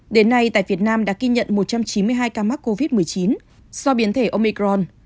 đến nay tại việt nam đã ghi nhận một trăm chín mươi hai ca mắc covid một mươi chín do biến thể omicron